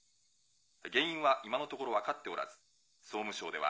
原因は今のところ分かっておらず総務省では。